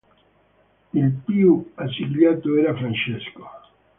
Il più accigliato era Francesco.